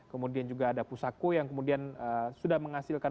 kemudian juga ada pusako yang kemudian sudah menghasilkan